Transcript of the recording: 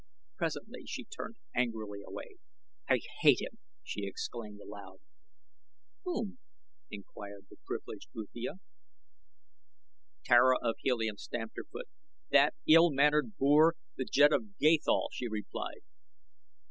Presently she turned angrily away. "I hate him!" she exclaimed aloud. "Whom?" inquired the privileged Uthia. Tara of Helium stamped her foot. "That ill mannered boor, the Jed of Gathol," she replied.